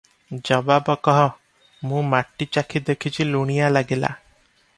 ଜବାବ କଃ - ମୁଁ ମାଟି ଚାଖି ଦେଖିଛି ଲୁଣିଆ ଲାଗିଲା ।